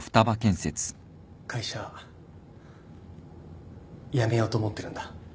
会社辞めようと思ってるんだ。